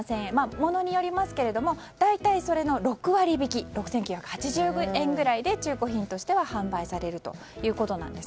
ものによりますけども大体、それの６割引き６９８０円ぐらいで中古品としては販売されるということです。